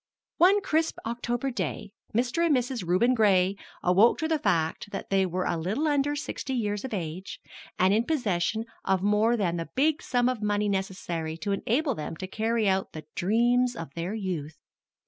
One crisp October day, Mr. and Mrs. Reuben Gray awoke to the fact that they were a little under sixty years of age, and in possession of more than the big sum of money necessary to enable them to carry out the dreams of their youth.